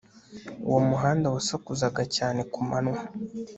Uwo muhanda wasakuzaga cyane ku manywa